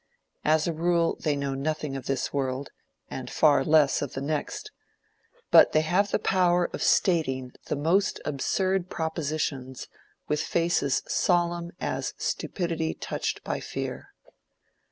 As a rule, they know nothing of this world, and far less of the next; but they have the power of stating the most absurd propositions with faces solemn as stupidity touched by fear.